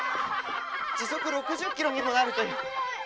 時速６０キロにもなるという。